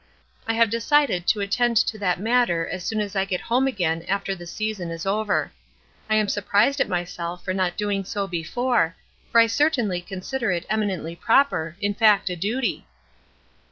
I have decided to attend to that matter as soon as I get home again after the season is over. I am surprised at myself for not doing so before, for I certainly consider it eminently proper, in fact a duty."